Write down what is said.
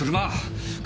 車！